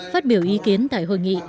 phát biểu ý kiến tại hội nghị